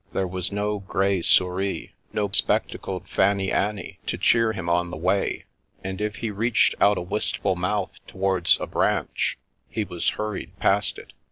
There was no grey Souris, no spectacled Fanny anny to cheer him on the way, and if he reached out a wistful mouth towards a branch, he was hurried past it.